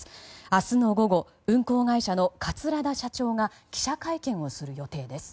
明日の午後運航会社の桂田社長が記者会見をする予定です。